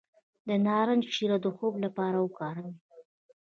د نارنج شیره د خوب لپاره وکاروئ